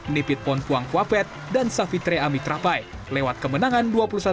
nipit pon puang kuapet dan savitre amitrapai lewat kemenangan dua puluh satu empat belas dan dua puluh satu delapan belas